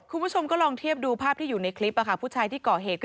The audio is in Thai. คุณผู้ชมก็ลองเทียบดูภาพที่อยู่ในคลิปผู้ชายที่ก่อเหตุ